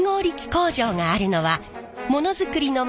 工場があるのはものづくりの街